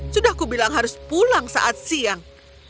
sudah kubilang harus pulang saat siang